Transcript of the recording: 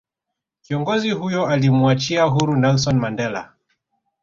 kiongozi huyo alimuachia huru Nelson Mandela